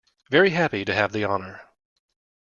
Very happy to have the honour!